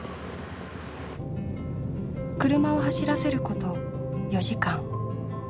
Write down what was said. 車を走らせること４時間。